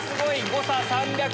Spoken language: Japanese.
誤差３００円。